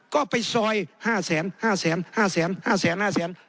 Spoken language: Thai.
ก็ไปซอยห้าแสนห้าแสนห้าแสนห้าแสนห้าแสน